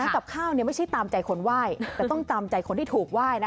กับข้าวไม่ใช่ตามใจคนไหว้แต่ต้องตามใจคนที่ถูกไหว้นะ